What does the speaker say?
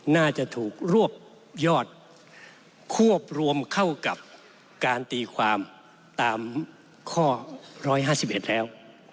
น่าจะถูกรวบยอดควบรวมเข้ากับการตีความตามข้อ๑๕๑แล้ว